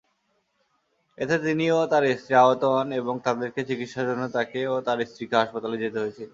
এতে তিনি ও তার স্ত্রী আহত হন এবং তাদেরকে চিকিৎসার জন্য তাকে ও তার স্ত্রীকে হাসপাতালে যেতে হয়েছিল।